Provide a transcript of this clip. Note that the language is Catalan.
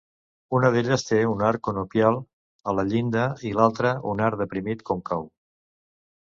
Una d'elles té un arc conopial a la llinda i l'altra un arc deprimit còncau.